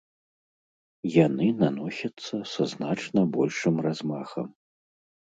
Яны наносяцца са значна большым размахам.